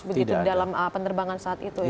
begitu dalam penerbangan saat itu ya